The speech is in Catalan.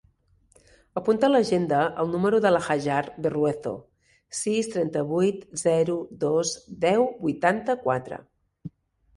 Apunta a l'agenda el número de la Hajar Berruezo: sis, trenta-vuit, zero, dos, deu, vuitanta-quatre.